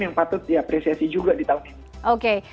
yang patut diapresiasi juga di tahun ini